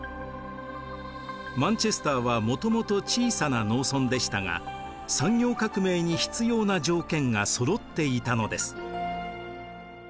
マンチェスターはもともと小さな農村でしたが産業革命に必要な条件がそろっていたのです